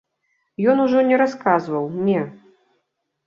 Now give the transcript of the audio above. Ён ужо не расказваў, не.